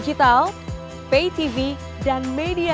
ketika silahkan dilatih sepenuh masa